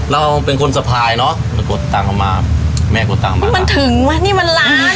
เราเป็นคนสะพายเนอะกดเงินมาแม่กดเงินมามันถึงไหมนี่มันล้าน